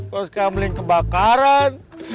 mas kamling kebakaran